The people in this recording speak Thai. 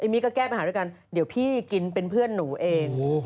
มี่ก็แก้ปัญหาด้วยกันเดี๋ยวพี่กินเป็นเพื่อนหนูเอง